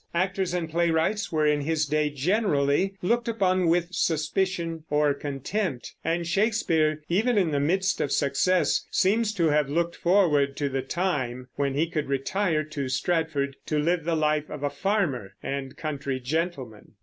Actors and playwrights were in his day generally looked upon with suspicion or contempt; and Shakespeare, even in the midst of success, seems to have looked forward to the time when he could retire to Stratford to live the life of a farmer and country gentleman.